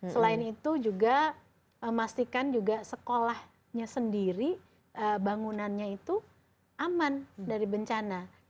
selain itu juga memastikan juga sekolahnya sendiri bangunannya itu aman dari bencana